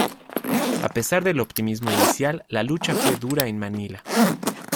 A pesar del optimismo inicial, la lucha fue dura en Manila.